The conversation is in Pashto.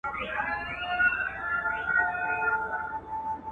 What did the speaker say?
o لکه د چيکال زو سپى، توت ځني ورک دي، ولو ته غاپي٫